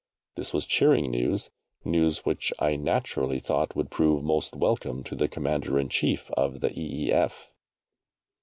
This was cheering news news which I naturally thought would prove most welcome to the Commander in Chief of the E.E.